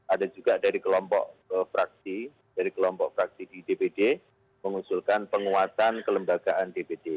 ada juga dari kelompok fraksi dari kelompok fraksi di dpd mengusulkan penguatan kelembagaan dpd